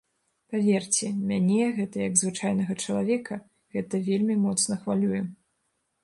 Паверце, мяне гэта як звычайнага чалавека гэта вельмі моцна хвалюе.